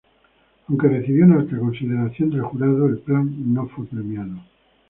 Aunque recibió una alta consideración del jurado, el plan no fue premiado.